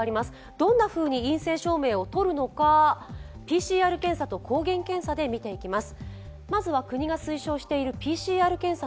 どんなふうに陰性証明を取るのか、ＰＣＲ検査と抗原検査で見ていきます。